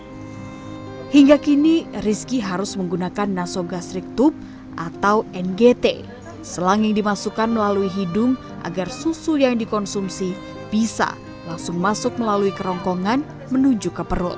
hai hingga kini rizky harus menggunakan nasogastrik tub atau ngt selang yang dimasukkan melalui hidung agar susu yang dikonsumsi bisa langsung masuk melalui kerongkongan menuju ke perut